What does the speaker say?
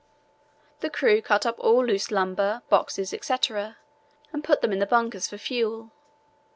The crew cut up all loose lumber, boxes, etc., and put them in the bunkers for fuel.